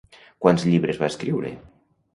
Quants llibres va escriure?